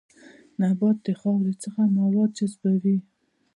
نبات د خاورې څخه مواد جذبوي